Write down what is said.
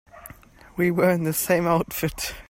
We were in the same outfit.